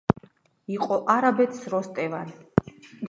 იყო არაბეთს როსტევან